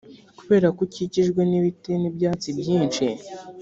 kubera ko ukikijwe n ibiti n ibyatsi byinshi